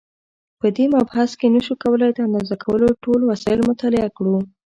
په دې مبحث کې نشو کولای د اندازه کولو ټول وسایل مطالعه کړو.